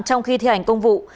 trong khi thi hành công vụ